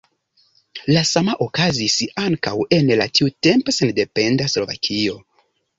La sama okazis ankaŭ en la tiutempe sendependa Slovakio.